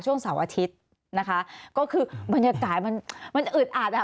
เสาร์อาทิตย์นะคะก็คือบรรยากาศมันมันอึดอัดอ่ะ